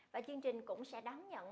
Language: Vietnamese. và chương trình cũng sẽ đánh nhận